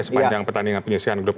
sepanjang pertandingan penyesuaian grup